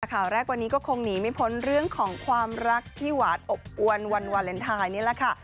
ข่าวแรกวันนี้ก็คงหนีไม่พ้นเรื่องของความรักที่หวานอบอวนวันวาเลนไทยนี่แหละค่ะ